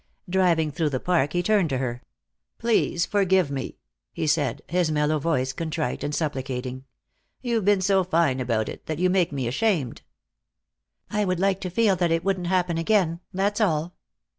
Driving through the park he turned to her: "Please forgive me," he said, his mellow voice contrite and supplicating. "You've been so fine about it that you make me ashamed." "I would like to feel that it wouldn't happen again: That's all."